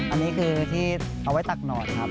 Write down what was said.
อันนี้คือที่เอาไว้ตักหนอดครับ